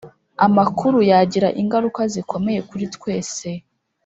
amakuru yagira ingaruka zikomeye kuri twese